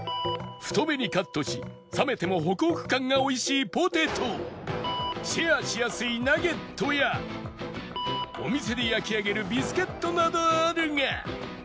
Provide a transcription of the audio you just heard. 太めにカットし冷めてもホクホク感が美味しいポテトシェアしやすいナゲットやお店で焼き上げるビスケットなどあるが